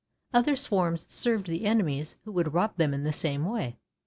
Other swarms served the enemies who would rob them in the same way.